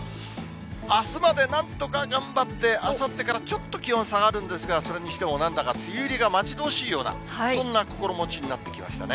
あすまでなんとか頑張って、あさってからちょっと気温下がるんですが、それにしてもなんだか梅雨入りが待ち遠しいような、そんな心持ちになってきましたね。